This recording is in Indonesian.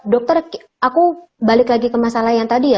dokter aku balik lagi ke masalah yang tadi ya